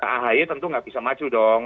ahy tentu nggak bisa maju dong